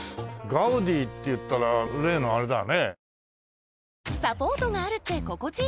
ガウディっていったら例のあれだよね。